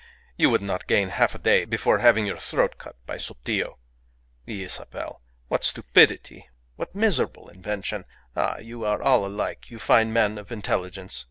you would not gain half a day more before having your throat cut by Sotillo. The Isabel! What stupidity! What miserable invention! Ah! you are all alike, you fine men of intelligence.